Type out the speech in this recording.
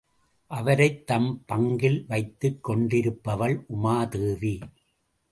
அவரைத் தம் பங்கில் வைத்துக் கொண்டிருப்பவள் உமாதேவி.